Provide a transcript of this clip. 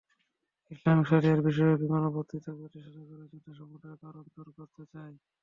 ইসলামি শরিয়াহ বিশ্বব্যাপী মানবভ্রাতৃত্ব প্রতিষ্ঠা করে যুদ্ধ সংঘটনের কারণ দূর করতে চায়।